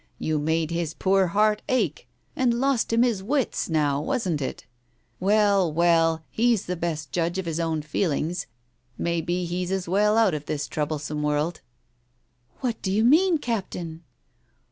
You made his poor heart ache, and lost him his wits, now, wasn't it? ... Well, well, he's the best judge of his own feelings, may be he's as well out of this troublesome world. ..." "What do you mean, Captain?"